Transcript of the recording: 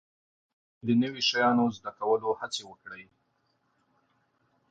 په ژوند کې د نوي شیانو زده کولو هڅې وکړئ